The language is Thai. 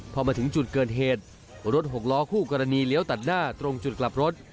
พอมาถึงจุดเกิดเหตุรถหกล้อคู่กรณีเลี้ยวตัดหน้าตรงจุดกลับรถ